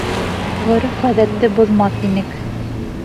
Ғөрөф-ғәҙәтте боҙмаҫ инек.